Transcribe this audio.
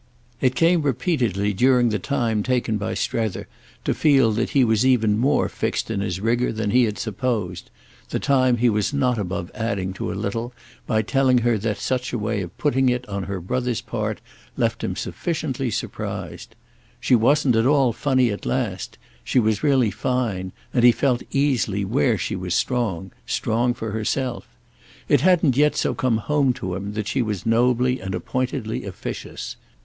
It came repeatedly during the time taken by Strether to feel that he was even more fixed in his rigour than he had supposed—the time he was not above adding to a little by telling her that such a way of putting it on her brother's part left him sufficiently surprised. She wasn't at all funny at last—she was really fine; and he felt easily where she was strong—strong for herself. It hadn't yet so come home to him that she was nobly and appointedly officious.